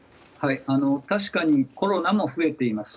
確かにコロナは増えています。